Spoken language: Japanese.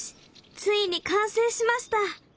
ついに完成しました！